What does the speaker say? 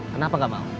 kenapa nggak mau